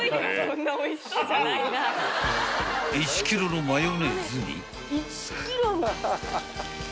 ［１ｋｇのマヨネーズに］